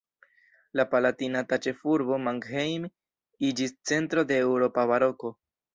La palatinata ĉefurbo Mannheim iĝis centro de eŭropa baroko.